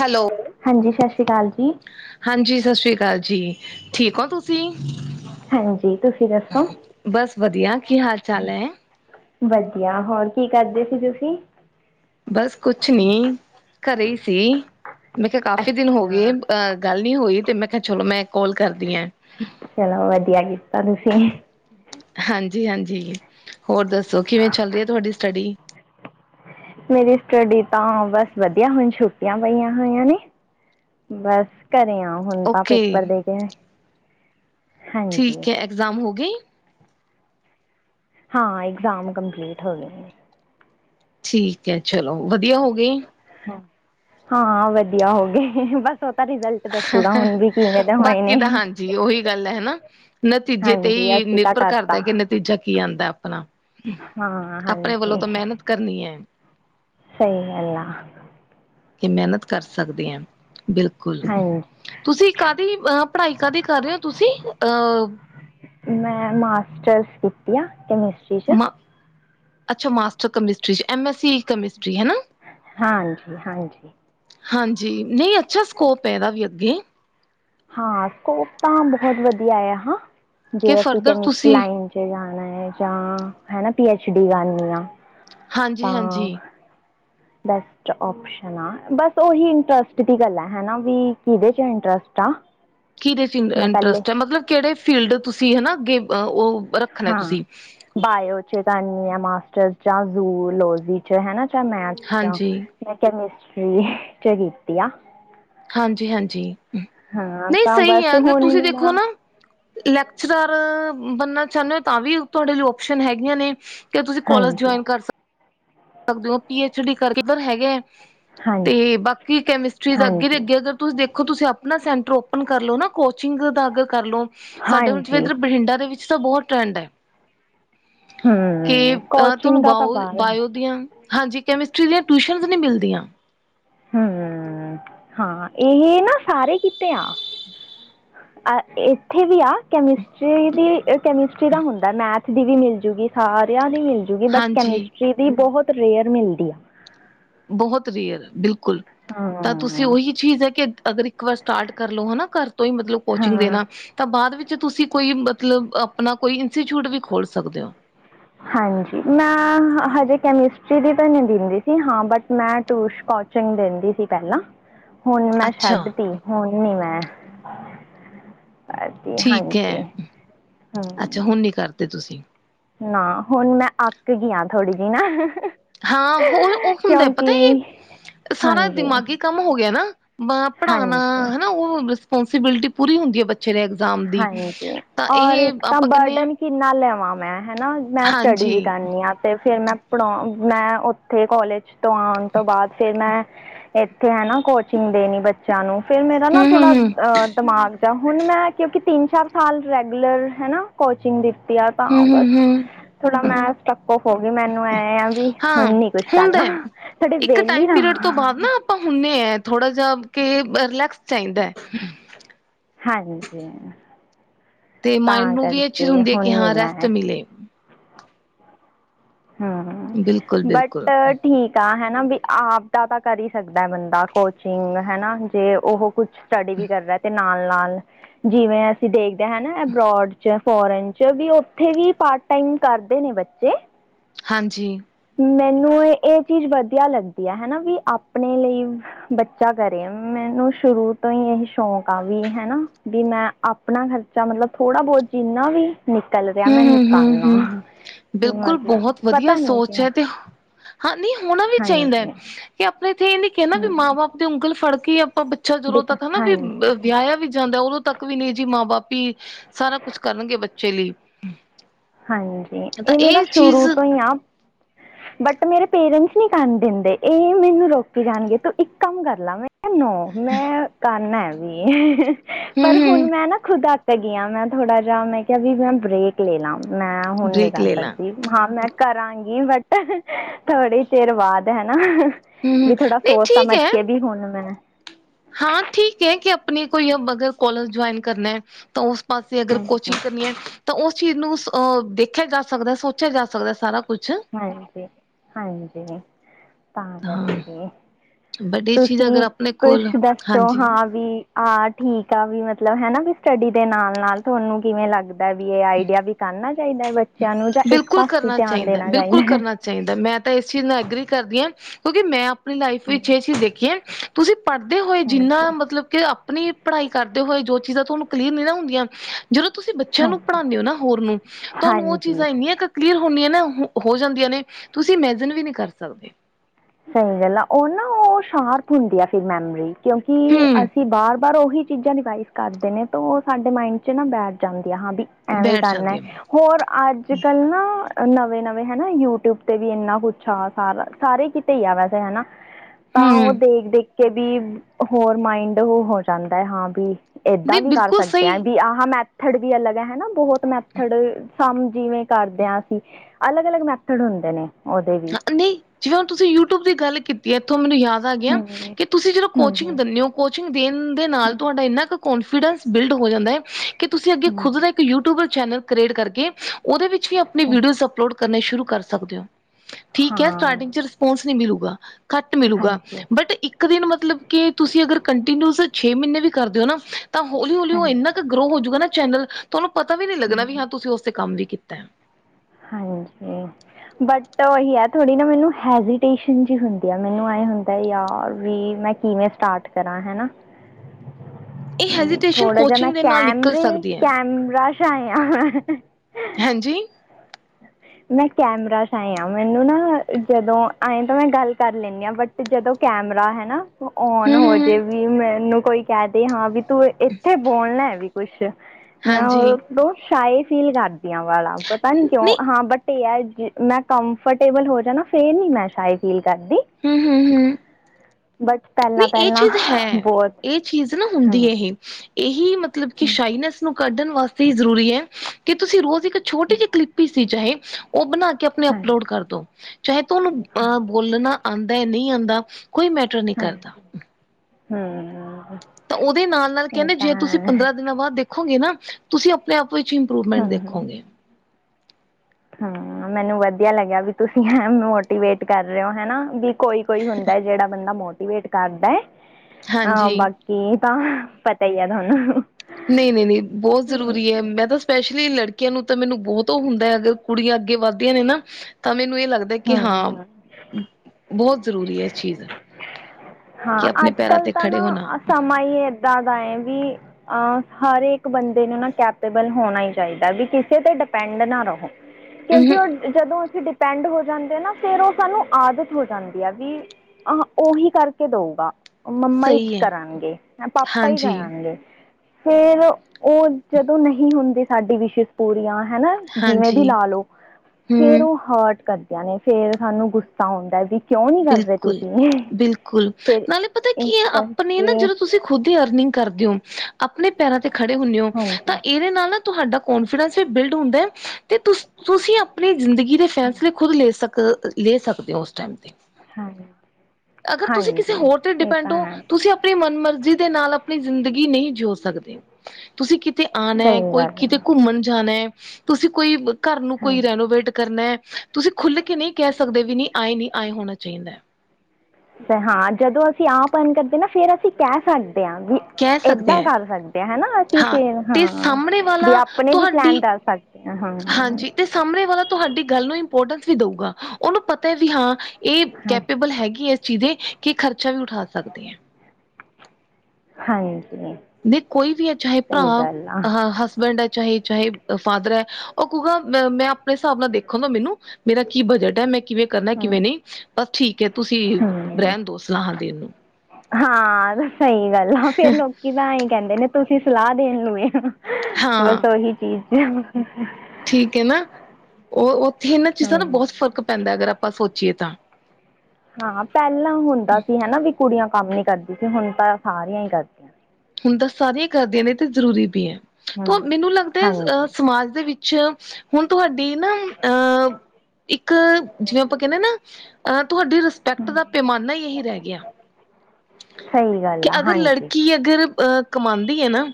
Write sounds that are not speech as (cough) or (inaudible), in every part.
Hello. ਹਾਂਜੀ ਸਤਿ ਸ੍ਰੀ ਅਕਾਲ ਜੀ। ਹਾਂਜੀ ਸਤਿ ਸ੍ਰੀ ਅਕਾਲ ਜੀ ਠੀਕ ਹੋ ਤੁਸੀ। ਹਾਂਜੀ ਤੁਸੀਂ ਦੱਸੋ ਬਸ ਵਧੀਆ ਕੀ ਹਾਲ ਚਾਲ ਹੈ। ਵਧੀਆ ਹੋਰ ਕੀ ਕਰਦੇ ਸੀ ਤੁਸੀ। ਬਸ ਕੁਛ ਨੀ ਘਰੇ ਹੀ ਸੀ ਮੈਂ ਕਿਹਾ ਕਾਫੀ ਦਿਨ ਹੋ ਗਏ। ਅੱਛਾ ਅ ਗੱਲ ਨੀ ਹੋਈ ਤੇ ਮੈਂ ਕਿਹਾ ਚਲੋ ਮੈਂ ਕੋਲ ਕਰਦੀ ਹਾਂ। ਚਲੋ ਵਧੀਆ ਕੀਤਾ ਤੁਸੀਂ। ਹਾਂਜੀ ਹਾਂਜੀ ਹੋਰ ਦੱਸੋ ਕਿਵੇਂ ਚੱਲ ਰਹੀ ਹੈ ਤੁਹਾਡੀ ਸਟੱਡੀ। ਮੇਰੀ ਸਟੱਡੀ ਤਾਂ ਬਸ ਵਧੀਆ ਹੁਨ ਛੁੱਟੀਆਂ ਪਈਆਂ ਹੋਈਆਂ ਨੇ। ਬਸ ਘਰੇ ਆ ਹੁਣ ਤਾਂ ਓਕੇ ਪੇਪਰ ਦੇ ਕੇ। ਹਾਂਜੀ ਠੀਕ ਹੈ ਇਗਜ਼ਾਮ ਹੋ ਗਏ। ਹਾਂ ਇਗਜ਼ਾਮ ਕੰਪਲੀਟ ਹੋ ਗਏ ਨੇ। ਠੀਕ ਹੈ ਚਲੋ ਵਧੀਆ ਹੋ ਗਏ। ਹਾਂ ਵਧੀਆ ਹੋ ਗਏ ਬਸ ਓ ਤਾਂ ਰਿਜਲਟ ਦੱਸੂਗਾ ਹੁਣ ਵੀ ਕਿਵੇਂ ਦੇ ਹੋਏ ਬਾਕੀ ਨੇ। ਤਾਂ ਹਾਂਜੀ ਉਹੀ ਗੱਲ ਹੈ ਹਨਾ। ਨਤੀਜੇ ਤੇ ਹਾਂਜੀ ਹੀ ਅਸੀਂ ਤਾਂ ਨਿਰਭਰ ਕਰਤਾ ਕਰਦਾ ਕਿ ਨਤੀਜਾ ਕੀ ਆਉਂਦਾ ਆਪਣਾ। ਹਾਂ ਆਪਣੇ ਵੱਲੋਂ ਹਾਂਜੀ ਤਾਂ ਮਿਹਨਤ ਕਰਨੀ ਹੈ। ਸਹੀ ਗਲ ਆ। ਕਿ ਮਿਹਨਤ ਕਰ ਸਕਦੇ ਆ। ਬਿਲਕੁੱਲ ਹਾਂਜੀ ਤੁਸੀ ਕਾਹਦੀ ਅ ਪੜ੍ਹਾਈ ਕਾਹਦੀ ਕਰ ਰਹੇ ਹੋ ਤੁਸੀ ਅਹ ਮੈਂ ਮਾਸਟਰਸ ਕੀਤੀ ਆ ਕਮਿਸਟਰੀ। ਮ ਅੱਛਾ ਮਾਸਟਰ ਕੈਮਿਸਟਰੀ ਚ ਐਮ ਐੱਸ ਸੀ ਕੈਮਿਸਟਰੀ ਹੈ ਨਾ। ਹਾਂਜੀ ਹਾਂਜੀ। ਹਾਂਜੀ ਨਹੀਂ ਅੱਛਾ ਸਕੋਪ ਹੈ ਇਹਦਾ ਵੀ ਅੱਗੇ ਹਾਂ ਸਕੋਪ ਤਾਂ ਬਹੁਤ ਵਧੀਆ ਆ ਹਾਂ ਕਿ ਜੇ ਅਸੀਂ ਫਰਦਰ ਕੈਮਿਸਟਰੀ ਤੁਸੀਂ ਲਾਈਨ ਚ। ਆਣਾ ਹੈ ਜਾਂ ਹਨਾ ਪੀ ਐਚ ਡੀ ਕਰਣੀ ਆ। ਹਾਂਜੀ ਤਾਂ ਹਾਂਜੀ। Best option. ਹੈਨਾ ਬਸ ਓਹੀ ਇੰਟਰਸਟ ਦੀ ਗੱਲ ਐ ਹੈਨਾ ਵੀ ਕਿਹਦੇ ਚ ਇੰਟਰਸਟ ਆ। ਕਿਹਦੇ ਚ ਮੈਂ ਪਹਿਲੇ ਇੰਟਰਸਟ ਐ ਮਤਲਬ ਕਿਹੜੇ ਫੀਲਡ ਤੁਸੀ ਹੈਨਾ ਗੇ ਉਹ ਰ ਹਾਂ। ਬਾਇਓ ਚ ਕਰਨੀ ਆ ਮਾਸਟਰਸ ਜਾਂ ਜ਼ੂਲੋਜੀ ਚ ਹੈਨਾ ਚਾਹ ਮੈਥ ਚ। ਹਾਂਜੀ ਮੈ ਕੈਮਿਸਟਰੀ ਚ ਕੀਤੀ ਆ। ਹਾਂਜੀ ਹਾਂਜੀ ਹਾਂ ਨਹੀਂ ਤਾਂ ਸਹੀ ਹੈ ਬਸ ਅਗਰ ਹੁਣ ਤੁਸੀਂ ਦੇਖੋ ਮੇਰਾ ਨਾ ਲੈਕਚਰਾਰ ਬਣਨਾ ਚਾਹਣੇ ਹੋ ਤਾਂ ਵੀ ਤੁਹਾਡੇ ਚ ਓਪਸ਼ਨ ਹੈਗੀਆਂ ਨੇ। ਕਿ ਤੁਸੀਂ ਕੋਲਜ ਹਾਂਜੀ ਜੁਆਇਨ ਕਰ ਸਕ ਸਕਦੇ ਹੋ ਪੀ ਐਚ ਡੀ ਕਰਕੇ ਇਧਰ ਹੈਗੇ ਹੈ ਹਾਂਜੀ ਤੇ ਬਾਕੀ ਕੈਮਿਸਟਰੀ ਦਾ ਅੱਗੇ ਦੇ ਹਾਂਜੀ ਅੱਗੇਧਰ। ਤੁਸੀਂ ਦੇਖੋ ਤੁਸੀਂ ਆਪਣਾ ਸੈਂਟਰ ਓਪਨ ਕਰ ਲਓ ਨਾ ਕੋਚਿੰਗ ਦਾ ਅ ਕਰਲੋ। ਸਾਡੇ ਹੁਣ ਜ ਹਾਂਜੀ ਇਧਰ ਬਠਿੰਡਾ ਦੇ ਵਿੱਚ ਤਾਂ ਬਹੁਤ ਟਰੈਂਡ ਹੈ। ਕਿ ਹੂੰ ਅਹ ਕੋਚਿੰਗ ਤੁਹਾਨੂੰ ਦਾ ਤਾਂ ਬਾਓ ਬਾਹਲਾ ਹੈ ਬਾਇਓ ਹਾਂਜੀ ਕੈਮਿਸਟਰੀ ਦੀਆਂ ਟਿਊਸ਼ਨ ਵੀ ਨੀ ਮਿਲਦੀਆਂ ਹੂੰ ਹੂੰ ਹਾਂ ਇਹ ਨਾ ਸਾਰੇ ਕਿਤੇ ਆ ਅ ਇੱਥੇ ਵੀ ਆ। ਕੈਮਿਸਟਰੀ ਦੀ ਕੈਮਿਸਟਰੀ ਦਾ ਹੁੰਦਾ ਮੈਥ ਦੀ ਵੀ ਮਿਲਜੂਗੀ ਸਾਰਿਆਂ ਦੀ ਮਿਲਗੀ। ਗੀ ਬਟ ਹਾਂਜੀ ਕੈਮਿਸਟਰੀ ਦੀ ਬਹੁਤ ਰੀਅਲ ਮਿਲਦੀ ਆ ਬਹੁਤ ਰੀਅਲ ਬਿਲਕੁੱਲ ਤਾਂ ਤੁਸੀਂ ਹਾਂ ਉਹੀ ਚੀਜ਼ ਹੈ ਕਿ ਅਗਰ ਇੱਕ ਵਾਰ ਸਟਾਰਟ ਕਰ ਲੋ ਹਨਾ ਘਰ ਤੋਂ ਹੀ ਮਤਲਬ ਕੋਚਿੰਗ ਹਾਂ ਦੇਣਾ ਤਾਂ ਬਾਅਦ ਵਿੱਚ ਤੁਸੀਂ ਕੋਈ ਮਤਲਬ ਆਪਣਾ ਕੋਈ ਇੰਸਟੀਚਿਊਟ ਵੀ ਖੋਲ ਸਕਦੇ ਹੋ ਹਾਂਜੀ ਮੈਂ ਹਜੇ ਕੈਮਿਸਟਰੀ ਦੀ ਤਾਂ ਨਹੀਂ ਦਿੰਦੀ ਸੀ ਹਾਂ ਬਟ ਮੈਂ ਟ (unintelligible) ਦਿੰਦੀ ਸੀ ਪਹਿਲਾਂ। ਹੁਣ ਮੈਂ ਅੱਛਾ ਛੱਡ ਤ ਹੁਣ ਨੀ ਮੈਂ ਕਰਦੀ ਠੀਕ ਹੈ ਹਾਂਜੀ ਅੱਛਾ ਹਮ ਹੁਣ ਨੀ ਕਰਦੇ ਤੁਸੀ ਨਾ ਹੁਣ ਮੈਂ ਅੱਕ ਗਈ ਆ ਥੋੜ੍ਹੀ ਜਿਹੀ ਨਾ। ਹਾਂ ਉਹ ਉਹ ਹੁੰਦਾ ਕਿਉਂਕਿ ਪਤਾ ਹੀ ਸਾਰਾ ਹਾਂਜੀ ਦਿਮਾਗੀ ਕੰਮ ਹੋ ਗਿਆ ਨਾ ਪੜ੍ਹਾਉਣਾ ਹਾਂਜੀ ਹਨਾ ਉਹ ਰਿਸਪੋਂਸੀਬਿਲਿਟੀ ਪੂਰੀ ਹੁੰਦੀ ਹੈ ਬੱਚੇ ਦੇ ਇਗਜ਼ਾਮ ਦੀ। ਹਾਂਜੀ ਤਾਂ ਔਰ ਇਹ ਇੱਕ ਤਾਂ ਆਪਾਂ ਕਹਿੰਦੇ ਹਾਂ ਬਰਡਨ ਕਿੰਨਾ ਲੈਵਾਂ ਮੈਂ ਹਣਾ ਮੈਂ ਸਟੱਡੀ ਹਾਂਜੀ ਵੀ ਕਰਨੀ ਆ ਤੇ ਫਿਰ ਮੈਂ ਪੜ੍ਹਾ ਮੈਂ ਉੱਥੇ ਕਾਲਜ ਤੋਂ ਆਉਣ ਤੋਂ ਬਾਅਦ ਫੇਰ ਮੈਂ ਇੱਥੇ ਹੈ ਨਾ ਕੋਚਿੰਗ ਦੇਣੀ ਬੱਚਿਆਂ ਨੂੰ ਫੇਰ ਮੇਰਾ ਹੂੰ ਨਾ ਹੂੰ ਥੋੜਾ ਹੂੰ ਅਹ ਦਿਮਾਗ ਜਾ ਹੁਣ ਮੈਂ ਕਿਉਂਕਿ ਤਿੰਨ ਚਾਰ ਸਾਲ ਰੈਗੂਲਰ ਹਨਾ ਕੋਚਿੰਗ ਦਿੱਤੀ ਆ ਤਾਂ ਹੂੰ ਬਸ ਹੂੰ ਹੂੰ ਥੋੜਾ ਮੈਂ ਸਟੱਕ ਓਫ ਹੋ ਗਈ ਮੈਨੂੰ ਐ ਆ ਵੀ ਹੁਣ ਹਾਂ ਨ ਕੁਛ ਹੁੰਦਾ ਕਰਨਾ ਸਾਡੇ ਇੱਕ ਟਾਈਮ ਵਹਲੀ ਨਾ ਪੀਰੀਅਡ ਤੋਂ ਬਾਅਦ ਨਾ ਆਪਾਂ ਹੁੰਦੇ ਆ ਥੋੜਾ ਜਾਹਾ ਕੇ ਰਿਲੈਕਸ ਚਾਹੀਦਾ ਐ। ਹਾਂਜੀ ਤੇ ਮਾਇੰਡ ਤਾਂ ਨੂੰ ਵੀ ਇਹ ਕਰਕੇ ਚੀਜ਼ ਹੁੰਦੀ ਹੈ ਹੁਣ ਕਿ ਨੀ ਹਾਂ ਰੈਸਟ ਮੈਂ ਮਿਲੇ ਹਾਂ ਬਿਲਕੁਲ ਬਟ ਬਿਲਕੁਲ ਠੀਕ। ਤਾਂ ਹਨਾ ਵੀ ਆਪ ਦਾ ਤਾਂ ਕਰ ਹੀ ਸਕਦਾ ਬੰਦਾ ਕੋਚਿੰਗ ਹਨਾ ਜੇ ਉਹ ਕੁਛ ਸਟੱਡੀ ਵੀ ਕਰਦਾ। ਤੇ ਨਾਲ ਨਾਲ ਜਿਵੇ ਅਸੀ ਦੇਖਦੇ ਹਨਾ ਅਬਰੋਡ ਚ ਫੋਰਨ ਚ ਵੀ ਉੱਥੇ ਵੀ ਪਾਰਟ ਟਾਈਮ ਕਰਦੇ ਨੇ ਬੱਚੇ ਹਾਂਜੀ ਮੈਨੂੰ ਇਹ ਚੀਜ਼ ਵਧੀਆ ਲੱਗਦੀ ਹੈ ਹਨਾ ਵੀ ਆਪਣੇ ਲਈ। ਬੱਚਾ ਕਰੇ ਮੈਨੂੰ ਸ਼ੁਰੂ ਤੋਂ ਹੀ ਇਹੀ ਸ਼ੌਂਕ ਆ ਵੀ ਹਨਾ ਵੀ ਮੈਂ ਆਪ ਆਪਣਾ ਖਰਚਾ ਮਤਲਬ ਥੋੜ੍ਹਾ ਬਹੁਤ ਜਿੰਨਾ ਵੀ ਨਿਕਲ ਰਿਹਾ ਹੂੰ ਮੈਂ ਹੂੰ ਹੂੰ ਨਿਕਾਲਣਾ ਹੂੰ ਵੀ ਬਿਲਕੁਲ ਮਤਲਬ ਬਹੁਤ ਵਧੀਆ ਪਤਾ ਨੀ। ਸੋਚ ਤੇ ਹਾਂ ਨਹੀਂ ਹੋਣਾ ਵੀ ਚਾਹੀਦਾ ਹੈ ਹਾਂਜੀ ਕਿ ਆਪਣੇ ਇੱਥੇ ਇਹ ਨ ਕਹਣਾ ਵੀ ਹੂੰ ਮਾਂ ਬਾਪ ਤੇ ਉਂਗਲ ਫੜ ਕੇ ਹੀ ਆਪਾਂ ਬੱਚਾ ਜਦੋਂ ਡਿਫ ਤੱਕ ਹਨਾ ਵੀ। ਹਾਂਜੀ ਵਿਆਹਿਆ ਵੀ ਜਾਂਦਾ ਉਦੋਂ ਤੱਕ ਵੀ ਨਹੀਂ ਜੀ ਮਾਂ ਬਾਪ ਹੀ ਸਾਰਾ ਕੁਛ ਕਰਨਗੇ ਬੱਚੇ ਲਈ। ਹਾਂਜੀ ਤਾਂ ਇਹ ਮੇਰਾ ਚੀਜ਼ ਸ਼ੁਰੂ ਤੋਂ ਹੀ ਆ। ਬਟ ਮੇਰੇ ਪੇਰੈਂਟਸ ਨੀ ਕਰਨ ਦਿੰਦੇ ਇਹ ਮੈਨੂੰ ਰੋਕ ਜਾਣਗੇ ਤੂੰ ਇੱਕ ਕੰਮ ਕਰ ਲਾ ਮੈਂ। ਮੈ ਕਰਨਾ ਵੀ ਹੂੰ ਪਰ ਹੁਣ ਹੂੰ ਮੈਂ ਨਾ ਖੁਦਾ ਗੀਆਂ ਮੈਂ ਥੋੜਾ ਜਿਹਾ ਮੈਂ ਕਿਹਾ ਵੀ ਮੈਂ ਬ੍ਰੇਕ ਲੈਨਾ ਮੈਂ ਹੁਣ ਨੀ ਬ੍ਰੇਕ ਕਰ ਲੈ ਲਾ ਸਕਦੀ ਹਾਂ ਮੈਂ ਕਰਾਂਗੀ ਬਟ ਥੋੜੇ ਚਿਰ ਬਾਅਦ ਹਨਾ। ਹੂੰ ਹੂੰ ਵੀ ਥੋੜਾ ਨਹੀਂ ਸੋਚ ਠੀਕ ਸਮਝ ਹੈ ਕੇ ਵੀ ਹੁਣ ਮੈਂ ਹਾਂ ਠੀਕ ਹੈ ਕਿ ਆਪਣੀ ਕੋਈ ਅ ਅਗਰ ਕੋਲੇਜ ਜੁਆਇਨ ਕਰਨਾ ਹੈ ਤਾਂ ਉਸ ਅਸੀਂ ਅਗਰ ਹੂੰ ਕੋਚਿੰਗ ਹੂੰ ਕਰਨੀ ਤਾਂ ਉਸ ਚੀਜ਼ ਨੂੰ ਦੇਖਿਆ ਜਾ ਸਕਦਾ ਸੋਚਿਆ ਜਾ ਸਕਦਾ ਸਾਰਾ ਕੁਛ। ਹਾਂਜੀ ਹਾਂਜੀ ਤਾਂ ਹਾਂ ਕਰਕੇ ਬਟ ਇਹ ਚੀਜ਼ ਅਗਰ ਤੁਸੀਂ ਆਪਣੇ ਕੋਲ ਕੁਛ ਦੱਸੋ ਹਾਂਜੀ ਹਾਂ ਵੀ। ਆਹ ਠੀਕ ਆ ਵੀ ਮਤਲਬ ਹਨਾ ਵੀ ਸਟੱਡੀ ਦੇ ਨਾਲ ਨਾਲ ਤੁਹਾਨੂੰ ਕਿਵੇਂ ਲੱਗਦਾ ਵੀ ਇਹ ਆਈਡੀਆ ਵੀ। ਕਰਨਾ ਚਾਹੀਦਾ ਹੈ ਬੱਚਿਆਂ ਨੂੰ ਜਾਂ ਇੱਕ ਬਿਲਕੁਲ ਪਾਸੇ ਕਰਨਾ ਧਿਆਨ ਚਾਹੀਦਾ ਦੇਣਾ ਬਿਲਕੁਲ ਚਾਹੀਦਾ ਹੈ ਕਰਨਾ ਚਾਹੀਦਾ ਮੈਂ ਤਾਂ ਇਸ ਚੀਜ਼ ਨਾਲ ਐਗਰੀ ਕਰਦੀ ਹਾਂ ਕਿਉਂਕਿ ਮੈਂ ਆਪ ਆਪਣੀ ਲਾਈਫ ਹਮ, ਵਿੱਚ ਇਹ ਚੀਜ਼ ਦੇਖੀਐ ਤੁਸੀਂ ਪੜ੍ਹਦੇ ਹੋਏ ਜਿੰਨਾ ਹਾਂਜੀ ਮਤਲਬ ਕਿ ਆਪਣੀ ਪੜ੍ਹਾਈ ਕਰਦੇ ਹੋਏ ਜੋ ਚੀਜ਼ਾਂ ਤੁਹਾਨੂੰ ਕਲੀਅਰ ਨੀ ਨਾ ਹੁੰਦੀਆਂ। ਜਦੋਂ ਤੁਸੀਂ ਬੱਚਿਆਂ ਨੂੰ ਹਾਂਜੀ ਪੜ੍ਹਾਉਦੇ ਹੋ ਨਾ ਹੋਰ ਨੂੰ ਤੁਹਾਨੂੰ ਉਹ ਹਾਂਜੀ ਚੀਜ਼ਾਂ ਇੰਨੀਆਂ ਕ। ਕਲੀਅਰ ਹੁੰਦੀਆਂ ਨਾ ਹੋ ਜਾਂਦੀਆਂ ਨੇ ਤੁਸੀਂ ਇਮੈਜਨ ਵੀ ਨਹੀਂ ਕਰ ਸਕਦੇ। ਸਹੀ ਗੱਲ ਆ ਉਹ ਨਾ ਉਹ ਸ਼ਾਰਪ ਹੁੰਦੀ ਆ ਫਿਰ ਮੈਮਰੀ ਕਿਉਂਕਿ ਹਮ ਅਸੀਂ ਬਾਹਰ ਪਰ ਉਹੀ ਚੀਜ਼ਾਂ ਰਿਵਾਈਸ ਕਰਦੇ ਨੇ ਤਾਂ ਉਹ ਸਾਡੇ ਮਾਇੰਡ ਚ ਨਾ ਬੈਠ ਜਾਂਦੀਆਂ ਹਾਂ ਭੀ ਐਵੇਂ ਬੈਠ ਕਰਲੈ। ਜਾਂਦੀਆਂ ਹੋਰ ਅੱਜ ਕੱਲ੍ਹ ਨਾ ਨਵੇਂ ਨਵੇਂ ਹੈਨਾ ਯੂਟਿਊਬ ਤੇ ਵੀ ਇੰਨਾ ਕੁੱਛ ਆ ਸਾਰਾ ਸਾਰੇ ਆ ਵੈਸੇ ਹਨਾ ਤਾਂ ਉਹ ਹਮ ਦੇਖ ਦੇਖ ਕੇ ਵੀ ਹੋਰ ਮਾਇੰਡ ਉਹ ਹੋ ਜਾਂਦਾ ਹੈ ਹਾਂ ਬੀ। ਏਦਾਂ ਨਹੀਂ ਵੀ ਕਰ ਬਿਲਕੁਲ ਸਕਦੇ ਹਾਂ ਸਹੀ ਵੀ ਆਹ ਮੈਂਥ ਮੈਥੜ ਵੀ ਅਲੱਗ ਹੈ ਹੈਨਾ ਬਹੁਤ ਮੈਥਡ ਸਮ ਜਿਵੇਂ ਕਰਦੇ ਆ ਅਸੀਂ। ਅਲੱਗ ਅਲੱਗ ਮੈਥਡ ਹੁੰਦੇ ਨੇ। ਉਹਦੇ ਵੀ ਨਹੀ ਜਿਵੇਂ ਹੁਣ ਤੁਸੀਂ ਯੂਟਿਊਬ ਦੀ ਗੱਲ ਕੀਤੀ ਹੈ ਇੱਥੋਂ ਮੈਨੂੰ ਯਾਦ ਕਿ ਤੁਸੀ ਜਦੋਂ ਹੂੰ ਕੋਚਿੰਗ ਹੂੰ ਦੇਨੇ ਔ। ਕੋਚਿੰਗ ਦੇਣ ਦੇ ਨਾਲ ਤੁਆਡਾ ਇੰਨਾ ਕੁ ਕੋਂਨਫੀਡੈਂਸ ਬਿਲਡ ਹੋ ਜਾਂਦੈ ਹੈ ਕਿ ਤੁਸੀਂ ਅੱਗੇ ਖੁਦ ਦਾ ਈ ਯੂਟਊਬਰ ਚੈਨਲ ਕ੍ਰੀਏਟ ਕਰਕੇ ਉਹਦੇ ਵਿੱਚ ਵੀ ਆਪਣੀ ਵੀਡੀਓ ਅਪਲੋਡ ਕਰਨੇ ਸ਼ੁਰੂ ਕਰ ਸਕਦੇ ਓਂ। ਠੀਕ ਹੈ ਸਟਾਰਟਿੰਗ ਚ ਹਾਂਜੀ ਰਿਸਪੋਂਸ ਨਹੀਂ ਮਿਲੂਗਾ ਘੱਟ ਮਿਲੂਗਾ ਬਟ ਇੱਕ ਇੱਕ ਦਿਨ ਮਤਲਬ ਕਿ ਤੁਸੀਂ ਅਗਰ ਕੰਟੀਨਿਊ ਸਿਰਫ ਛੇ ਮਹੀਨੇ ਵੀ ਕਰਦੇ ਹੋ ਨਾ ਤਾਂ ਹੌਲੀ ਹੌਲੀ ਉਹ ਹਾਂਜੀ ਇੰਨਾ ਗਰੋ ਹੋਜੂਗਾ ਨਾ ਚੈਨਲ ਤੁਹਾਨੂੰ ਪਤਾ ਵੀ ਨੀ ਲੱਗਣਾ ਹਮ, ਵੀ ਹਾਂ ਤੁਸੀਂ ਉਸ ਤੇ ਕੰਮ ਵੀ ਕੀਤਾ ਐ। ਹਾਂਜੀ। ਬਟ ਉਹੀ ਹੈ ਥੋੜ੍ਹੀ ਨਾ ਮੈਨੂੰ ਹੈਜੀਟੇਸ਼ਨ ਜਿਹੀ ਹੁੰਦੀ ਆ ਮੈਨੂੰ ਐਂ ਹੁੰਦਾ ਯਾਰ ਵੀ ਮੈਂ ਕਿਵੇਂ ਸਟਾਰਟ ਕਰਾਂ ਹੈਨਾ। ਇਹ ਹਮ ਹੈਜੀਟੇਸ਼ਨ ਥੋੜਾ ਜਿਹਾ ਮੈਂ ਕੋਚਿੰਗ ਦੇ ਨਾਲ ਨਿਕਲ ਕੈਮਰੇ ਸਕਦੀ ਹੈ ਕੈਮਰਾ ਛਾਇਆ। ਹਾਂਜੀ। (inaudible) ਮੈਂ ਕੈਮਰਾ ਸ਼ਾਏ ਆ ਮੈਨੂੰ ਨਾ ਜਦੋਂ ਆਏ ਤਾਂ ਮੈਂ ਗੱਲ ਕਰ ਲੈਂਨੀ ਆ ਬਟ ਤੇ ਜਦੋਂ ਕੈਮਰਾ ਹੈਨਾ ਆਨ ਹੋ ਹੂੰ-ਹੂੰ, ਜੇ ਵੀ ਮੈਨੂੰ ਕੋਈ ਕਹਿ ਦੇ ਹਾਂ ਵੀ ਤੂੰ ਇੱਥੇ (unintelligible) ਬੋਲਣਾ ਐ ਵੀ ਕੁਛ ਮੈਂ ਹਾਂਜੀ ਉਹ ਦੋ ਸ਼ਾਏ ਫੀਲ ਕਰਦੀ ਹਾਂ ਵਾਲਾ ਪਤਾ ਨੀ ਕਿਉਂ ਨਹੀਂ ਹਾਂ ਬਟ ਇਹ ਹੈ ਮੈਂ ਕੰਫਰਟੇਬਲ ਹੋ ਜਾਣਾ ਫੇਰ ਨੀ ਮੈਂ ਸ਼ਾਇ ਫੀਲ ਕਰਦੀ। ਹਮ ਹਮ ਹਮ। ਬਟ ਨਹੀ ਪਹਿਲਾਂ ਏ ਪਹਿਲਾਂ ਚੀਜ਼ ਹੈ ਬਹੁਤ ਇਹ ਚੀਜ਼ ਨਾ ਹੁੰਦੀ ਏਹੇ। ਇਹੀ ਮਤਲਬ ਕਿ ਸ਼ਾਈਨੈਸ ਨੂੰ ਕੱਢਣ ਵਾਸਤੇ ਹੀ ਜ਼ਰੂਰੀ ਹੈ ਕਿ ਤੁਸੀ ਰੋਜ਼ ਇੱਕ ਛੋਟੀ ਜਿਹੀ ਕਲਿੱਪ ਈ ਚਾਹੇ ਉਹ ਬਣਾ ਕੇ ਆਪਣੇ ਅਪਲੋਡ ਕਰਦੋ ਚਾਹੇ ਤ ਉਹਨੂੰ ਅ ਬੋਲਣਾ ਆਉਂਦਾ ਨਹੀਂ ਆਉਂਦਾ ਕੋਈ ਮੈਟਰ ਨਹੀਂ ਕਰਦਾ। ਹਮ ਹਮ। ਤਾਂ ਉਹਦੇ ਨਾਲ ਨਾਲ ਇਹ ਕਹਿੰਦੇ ਤਾਂ ਜੇ ਤੁਸੀਂ ਹੈ। ਪੰਦਰਾਂ ਦਿਨਾਂ ਬਾਅਦ ਦੇਖੋਗੇ ਨਾ। ਤੁਸੀਂ ਆਪਣੇ ਆਪ ਵਿੱਚ ਇੰਪਰੂਵਮੈਂਟ ਹਮ ਹਮ ਦੇਖੋਗੇ। ਹਾਂ ਮੈਨੂੰ ਵਧੀਆ ਲੱਗਿਆ ਵੀ ਤੁਸੀਂ ਐ ਮੋਟੀਵੇਟ ਕਰ ਰਹੇ ਹੋ ਹੈਨਾ ਵੀ। ਕੋਈ ਕੋਈ ਹੁੰਦੈ ਜਿਹੜਾ ਬੰਦਾ ਮੋਟੀਵੇਟ ਕਰਦਾ। ਹਾਂ ਹਾਂਜੀ। ਬਾਕੀ ਤਾਂ ਪਤਾ ਹੀ ਐ ਤੁਹਾਨੂੰ। ਨਹੀ ਨਹੀ ਨਹੀ ਬਹੁਤ ਜ਼ਰੂਰੀ ਹੈ। ਮੈਂ ਤਾਂ ਸਪੈਸ਼ਲੀ ਲੜਕੀਆਂ ਨੂੰ ਤਾਂ ਮੈਨੂੰ ਬਹੁਤ ਉਹ ਹੁੰਦਾ ਹੈ ਅਗਰ ਕੁੜੀਆਂ ਅੱਗੇ ਵੱਧਦੀਆਂ ਨੇ ਨਾ ਤਾਂ ਮੈਨੂੰ ਇਹ ਲੱਗਦਾ। ਕਿ ਹਾਂ ਬੋਤ ਜ਼ਰੂਰੀ ਐ ਚੀਜ਼। ਹਾਂ ਕਿ ਆਪਣੇ ਅੱਜ ਪੈਰਾਂ ਕੱਲ ਤੇ ਤਾਂ ਖੜੇ ਨਾ ਹੋਣਾ ਸਮਾਂ ਹੀ ਏਦਾਂ ਦਾ ਹੈ ਵੀ। ਅ ਹਰ, ਇੱਕ ਬੰਦੇ ਨੂੰ ਨਾ ਕੈਪੇਬਲ ਹੋਣਾ ਈ ਚਾਈਦਾ ਵੀ ਕਿਸੇ ਤੇ ਡਿਪੈਂਡ ਨਾ ਰਹੋ। ਕਿਉਂਕਿ ਹੂੰ, ਉਹ ਜਦੋਂ ਅਸੀਂ ਡਿਪੈਂਡ ਹੋ। ਜਾਂਦੇ ਨਾ ਫੇਰ ਉਹ ਸਾਨੂੰ ਆਦਤ ਹੋ ਜਾਂਦੀ ਆ ਵੀ ਆਹ ਉਹੀ ਕਰਕੇ ਦਊਗਾ। ਮੰਮਾ ਹੀ ਸਹੀ ਹੈ ਕਰਨਗੇ, ਪਾਪਾ ਹੀ ਹਾਂਜੀ ਕਰਨਗੇ। ਫੇਰ, ਉਹ ਜਦੋਂ ਨਹੀਂ ਹੁੰਦੀ ਸਾਡੀ ਵਿਸਿਸ ਪੂਰੀਆਂ ਹਨਾ। ਜਿਵੇਂ ਵੀ ਹਾਂਜੀ ਲਾ ਲਓ ਫੇਰ ਹਮ ਉਹ ਹਰਟ ਕਰਦੀਆਂ ਨੇ ਫੇਰ ਸਾਨੂੰ ਗੁੱਸਾ ਆਉਂਦਾ ਐ ਵੀ ਕਿਉਂ ਨਹੀਂ ਕਰ ਰਹੇ ਬਿਲਕੁਲ, ਤੁਸੀਂ ਬਿਲਕੁਲ ਫਿਰ ਨਾਲੇ ਪਤਾ ਇਸ ਕੀ ਹੈ ਆਪਣੇ ਕਰਕੇ ਨਾ ਜਦੋਂ ਤੁਸੀਂ ਖੁਦ ਹੀ ਅਰਨਿੰਗ ਕਰਦੇ ਹੋ, ਆਪਣੇ ਪੈਰਾਂ ਤੇ ਖੜੇ ਹੁੰਨੇ ਔ ਹਾਂਜੀ ਤਾਂ ਇਹਦੇ ਨਾਲ ਨਾ ਤੁਹਾਡਾ ਕੋਂਫੀਡੈਂਸ ਵੀ ਬਿਲਡ ਹੁੰਦਾ ਹੈ ਤੇ ਤੁ ਤੁਸੀਂ ਆਪਣੀ ਜ਼ਿੰਦਗੀ ਦੇ ਹਾਂ ਫੈਸਲੇ ਖੁਦ ਲੈ ਸਕ ਅ ਲੈ ਸਕਦੇ ਹੋ ਉਸ ਟਾਈਮ ਤੇ। ਹਾਂਜੀ। ਅਗਰ, ਤੁਸੀਂ ਕਿਸੇ ਹੋਰ ਤੇ ਇਹ ਡਿਪੈਂਡ ਤਾਂ ਹੋ ਹੈ ਤੁਸੀਂ ਆਪਣੀ ਮਨ ਮਰਜ਼ੀ ਦੇ ਨਾਲ ਆਪਣੀ ਜ਼ਿੰਦਗੀ ਨਹੀਂ ਜੋ ਸਕਦੇ ਤੁਸੀਂ ਕਿਤੇ ਆਉਣਾ, ਸਹੀ ਕੋਈ ਗੱਲ ਕਿਤੇ ਆ ਘੁੰਮਣ ਜਾਣਾ ਤੁਸੀਂ ਕੋਈ। ਘਰ ਨੂੰ ਕੋਈ ਹਾਂਜੀ ਰੈਨੋਵੇਟ ਕਰਨਾ ਤੁਸੀਂ ਖੁੱਲ ਕੇ ਨਹੀਂ ਕਹਿ ਸਕਦੇ ਵੀ ਨੀ ਅਏ ਨੀ ਅਏ ਹੋਣਾ ਚਾਹੀਦਾ। ਹਾਂ, ਜਦੋਂ ਅਸੀਂ ਆਪ ਅਰਨ ਕਰਦੇ ਨਾ ਫਿਰ ਅਸੀਂ ਕਹਿ ਸਕਦੇ ਆਂ। ਕਹਿ ਸਕਦੇ ਇਦਾਂ ਹੈ ਕਰ ਸਕਦੇ ਹੈਨਾ ਅਸੀਂ, ਹਾਂ ਫਿਰ ਤੇ ਹਾਂ ਸਾਹਮਣੇ ਵਾਲਾ ਵੀ ਆਪਣੇ ਵੀ ਪਲੈਨ ਤੁਹਾਡੀ ਦੱਸ ਸਕਦੇ। ਹਾਂ। ਹਾਂਜੀ, ਤੇ ਸਾਹਮਣੇ ਵਾਲਾ ਤੁਹਾਡੀ ਗੱਲ ਨੂੰ ਇੰਪੋਰਟੈਂਸ ਵੀ ਦਊਗਾ ਉਹਨੂੰ ਪਤਾ ਹੈ ਵੀ ਹਾਂ। ਇਹ ਹਾਂ ਕੈਪੇਬਲ ਹੈਗੀ ਹੈ ਇਸ ਚੀਜ਼ ਕਿ ਖਰਚਾ ਵੀ ਉਠਾ ਸਕਦੇ ਹੈ। ਹਾਂਜੀ। ਨਹੀਂ ਕੋਈ ਵੀ ਹੈ ਚਾਹੇ ਸਹੀ ਭਰਾ ਗੱਲ ਆ ਹ ਹਸਬੈਂਡ ਹੈ ਚਾਹੇ, ਚਾਹੇ ਫਾਦਰ ਹੈ ਉਹ ਮੈਂ ਆਪਣੇ ਹਿਸਾਬ ਨਾਲ ਦੇਖਣ ਨਾ ਮੈਨੂੰ ਮੇਰਾ ਕੀ ਬਜਟ ਐ ਮੈਂ ਕਿਵੇਂ ਕਰਨਾ ਹਾਂ ਕਿਵੇਂ ਨਹੀਂ। ਬਸ ਠੀਕ ਐ, ਤੁਸੀਂ ਹਮ ਰਹਿਣ ਦੋ ਸਲਾਹਾਂ ਦੇਣ ਨੂੰ। ਹਾਂ, ਸਹੀ ਗੱਲ ਆ, ਫੇਰ ਲੋਕੀ ਤਾਂਈ ਕਹਿੰਦੇ ਨੇ ਤੁਸੀਂ ਸਲਾਹ ਦੇਣ ਨੂੰ ਈਆ। ਬਸ ਹਾਂ ਉਹੀ ਚੀਜ਼। ਠੀਕ ਐ ਨਾ, ਉਹ ਉੱਥੇ ਇਹਨਾਂ ਚੀਜ਼ਾਂ ਨਾ ਹਮ ਬਹੁਤ ਫ਼ਰਕ ਪੈਂਦਾ ਅਗਰ ਆਪਾਂ ਸੋਚੀਏ ਤਾਂ। ਹਾਂ ਪਹਿਲਾਂ ਹੁੰਦਾ ਸੀ ਹਨਾ ਵੀ ਕੁੜੀਆਂ ਕੰਮ ਨੀ ਕਰਦੀ ਸੀ ਹੁਣ ਤਾਂ ਸਾਰੀਆਂ ਹੀ ਕਰਦੀ। ਹੁਣ ਤਾਂ ਸਾਰੇ ਹੀ ਕਰਦੇ ਨੇ ਤੇ ਜ਼ਰੂਰੀ ਵੀ ਐ, ਤਾਂ ਹਮ ਮੈਨੂੰ ਲੱਗਦਾ ਅਹ ਹਾਂਜੀ ਸਮਾਜ ਦੇ ਵਿੱਚ ਹੁਣ, ਤੁਹਾਡੀ ਨਾ ਅਹ ਇੱਕ ਜਿਵੇਂ ਆਪਾਂ ਕਹਿੰਨੇ ਨਾ। ਅਹ ਤੁਹਾਡੀ ਰਿਸਪੈਕਟ ਦਾ ਪੈਮਾਨਾ ਈ ਇਹੀ ਰਹਿ ਗਿਆ। ਸਹੀ ਗੱਲ ਕਿ ਆ ਅਗਰ ਹਾਂਜੀ ਲੜਕੀ ਅਗਰ ਅਹ ਕਮਾਂਦੀ ਐ ਨਾ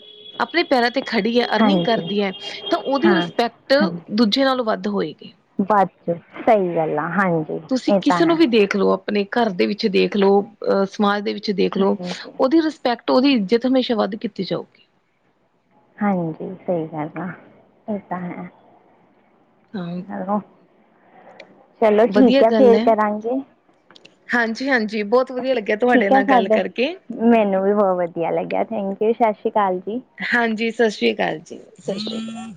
ਆਪਣੇ ਪੈਰਾਂ ਤੇ ਖੜੀ ਐ ਅਰਨਿੰਗ ਹਾਂਜੀ ਕਰਦੀ ਐ ਤਾਂ ਓਦੀ ਹਾਂ ਰਿਸਪੈਕਟ ਦੂਜ ਨਾਲੋਂ ਵੱਧ ਹੋਏਗੀ। ਬੱਸ ਸਈ, ਗੱਲ ਆ ਹਾਂਜੀ। ਤੁਸੀਂ ਇਹ ਤਾਂ ਕਿਸੇ ਨੂੰ ਹੈ ਵੀ ਦੇਖ ਲਓ ਆਪਣੇ ਘਰ ਦੇ ਵਿੱਚ ਦੇਖ ਲਓ। ਅ ਸਮਾਜ ਦੇ ਵਿੱਚ ਦੇਖ ਲਓ ਹਾਂਜੀ ਓਦੀ ਰਿਸਪੈਕਟ ਓਦੀ ਇੱਜਤ ਹਮੇਸ਼ਾ ਵੱਧ ਕੀਤੀ ਜਾਊਗੀ। ਹਾਂਜੀ, ਸਈ ਗੱਲ ਆ। ਇਹ ਤਾਂ ਹੈ। ਹਾਂ ਚਲੋ, ਵਧੀਆ ਠੀਕ ਹੈ ਗੱਲ ਫੇਰ ਕਰਾਂਗੇ। ਹਾਂਜੀ-ਹਾਂਜੀ, ਬਹੁਤ ਵਧੀਆ ਲੱਗਿਆ। ਤੁਹਾਡੇ ਠੀਕ ਹੈ, ਨਾਲ ਗੱਲ ਸਾਡ ਕਰਕੇ ਮੈਨੂੰ ਵੀ ਬਹੁਤ ਵਧੀਆ ਲੱਗਿਆ ਥੈਂਕਯੂ ਸ਼ਸ਼੍ਰੀ ਕਾਲ ਜੀ। ਹਾਂਜੀ, ਸਤਿ ਸ੍ਰੀ ਅਕਾਲ ਜੀ, ਸਤਿ ਸ਼੍ਰੀ ਅਕਾਲ।